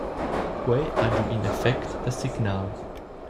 Quei ha giu in effect da signal.